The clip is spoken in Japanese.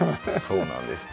そうなんです。